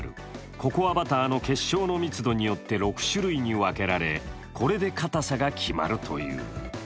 ココアバターの結晶の密度によって６種類に分けられこれで硬さが決まるという。